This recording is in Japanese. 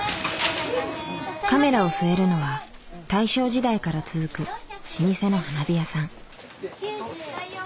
カメラを据えるのは大正時代から続く老舗の花火屋さん。